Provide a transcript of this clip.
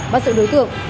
và sự đối tượng